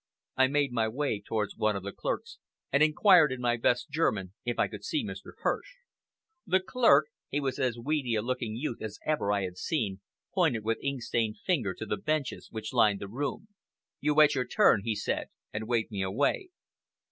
I made my way towards one of the clerks, and inquired in my best German if I could see Mr. Hirsch. The clerk he was as weedy a looking youth as ever I had seen pointed with ink stained finger to the benches which lined the room. "You wait your turn," he said, and waved me away.